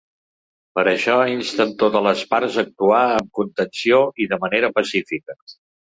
Per això insten totes les parts a actuar amb contenció i de manera pacífica.